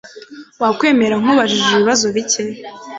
Wakwemera nkubajije ibibazo bike?